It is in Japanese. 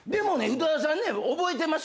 宇多田さん覚えてます？